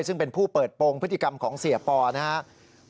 ซึ่งเป็นผู้เปิดโปรงพฤติกรรมของเสียปอนะครับ